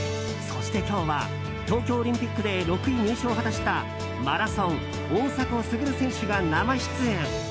そして今日は東京オリンピックで６位入賞を果たしたマラソン、大迫傑選手が生出演。